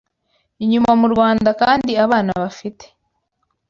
inyuma mu Rwanda kandi abana bafite